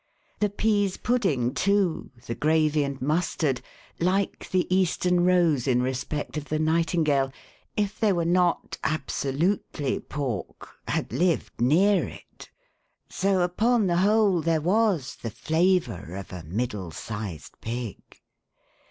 The pease pudding, too, the gravy and mustard, like the Eastern rose in respect of the nightingale, if they were not absolutely pork, had lived near it ; so, upon the whole, there was the flavour of a middle sized pig.